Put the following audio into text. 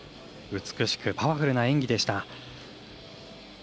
美しくパワフルな演技でした。